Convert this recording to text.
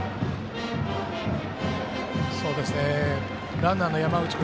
ランナーの山内君